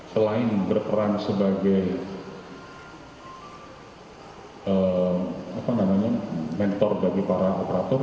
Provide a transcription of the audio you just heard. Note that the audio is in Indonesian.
selain berperan sebagai mentor bagi para operator